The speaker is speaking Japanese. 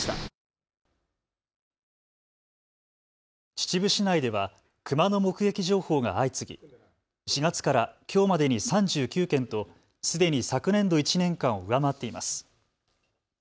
秩父市内ではクマの目撃情報が相次ぎ、４月からきょうまでに３９件とすでに昨年度１年間を上回っています。